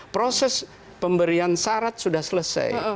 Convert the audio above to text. proses pemberian syarat sudah selesai